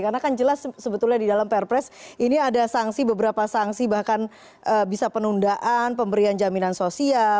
karena kan jelas sebetulnya di dalam pr press ini ada sanksi beberapa sanksi bahkan bisa penundaan pemberian jaminan sosial